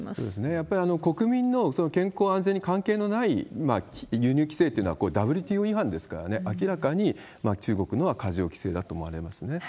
やっぱり国民のその健康安全に関係のない輸入規制というのはＷＴＯ違反ですからね、明らかに中国のは過剰規制だと思われますね。